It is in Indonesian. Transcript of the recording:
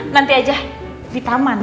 nanti aja di taman